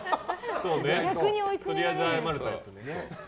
とりあえず謝るタイプ。